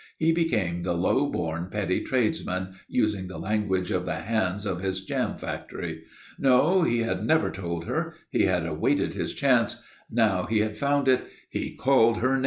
He became the low born, petty tradesman, using the language of the hands of his jam factory. No, he had never told her. He had awaited his chance. Now he had found it. He called her names....